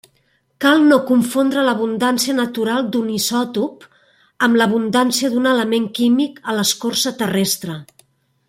Cal no confondre l'abundància natural d'un isòtop, amb l'abundància d'un element químic a l'escorça terrestre.